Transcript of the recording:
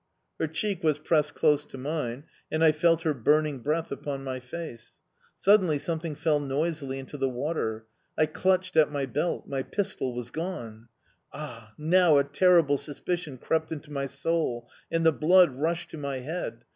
Her cheek was pressed close to mine, and I felt her burning breath upon my face. Suddenly something fell noisily into the water. I clutched at my belt my pistol was gone! Ah, now a terrible suspicion crept into my soul, and the blood rushed to my head!